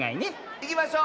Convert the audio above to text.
いきましょう！